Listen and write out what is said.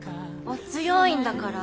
お強いんだから。